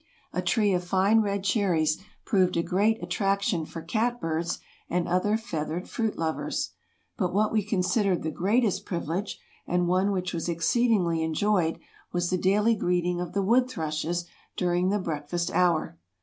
A tree of fine red cherries proved a great attraction for cat birds and other feathered fruit lovers. But what we considered the greatest privilege, and one which was exceedingly enjoyed, was the daily greeting of the wood thrushes during the breakfast hour.